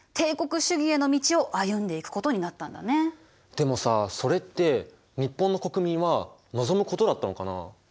でもさそれって日本の国民は望むことだったのかな？